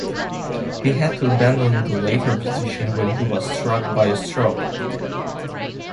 He had to abandon the latter position when he was struck by a stroke.